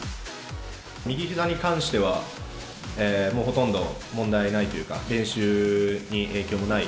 右ひざに関しては、もうほとんど問題ないというか、練習に影響もない。